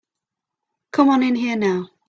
Come on in here now.